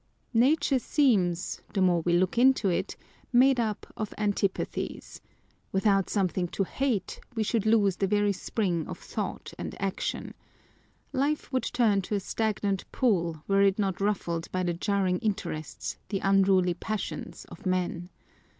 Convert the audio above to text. Nature seems (the more we look into it ) made up of antijmtkies : without something to hate, we should lose the very spring of thought and action. Life would turn to a stagnant pool, were it not ruffled by the jarring interests, the unruly passions, of men.